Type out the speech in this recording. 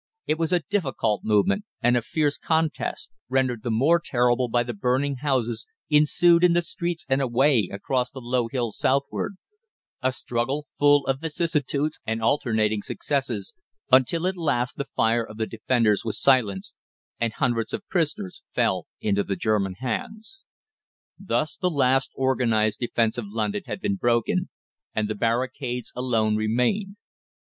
It was a difficult movement, and a fierce contest, rendered the more terrible by the burning houses, ensued in the streets and away across the low hills southward a struggle full of vicissitudes and alternating successes, until at last the fire of the defenders was silenced, and hundreds of prisoners fell into the German hands. Thus the last organised defence of London had been broken, and the barricades alone remained.